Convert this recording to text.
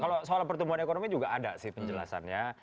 kalau soal pertumbuhan ekonomi juga ada sih penjelasannya